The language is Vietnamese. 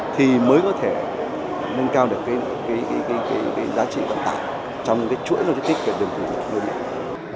thì mới có thể nâng cao được cái giá trị vận tải trong cái chuỗi lô thích tích